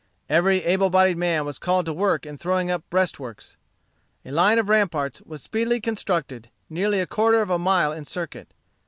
Every able bodied man was called to work in throwing up breastworks. A line of ramparts was speedily constructed, nearly a quarter of a mile in circuit.